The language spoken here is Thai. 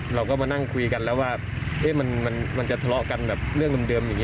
เราก็มานั่งคุยกันแล้วว่ามันจะทะเลาะกันแบบเรื่องเดิมอย่างนี้